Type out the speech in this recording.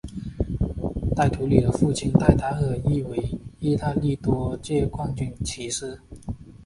戴图理的父亲戴达利亦为意大利多届冠军骑师。